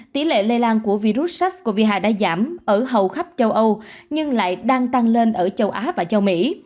tỷ lệ lây lan của virus sars cov hai đã giảm ở hầu khắp châu âu nhưng lại đang tăng lên ở châu á và châu mỹ